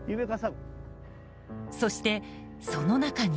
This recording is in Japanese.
そして、その中に。